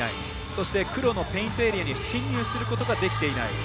そして、黒のペイントエリアには進入することができていない。